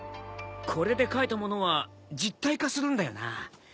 これで描いたものは実体化するんだよな。